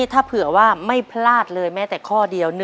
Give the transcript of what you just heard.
ถ้าเผื่อว่าไม่พลาดเลยแม้แต่ข้อเดียว